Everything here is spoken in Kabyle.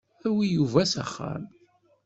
Awi Yuba s axxam.